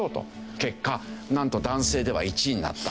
結果なんと男性では１位になった。